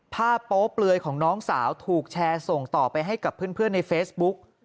โป๊เปลือยของน้องสาวถูกแชร์ส่งต่อไปให้กับเพื่อนในเฟซบุ๊ก